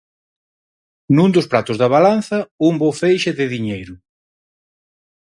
Nun dos pratos da balanza un bo feixe de diñeiro.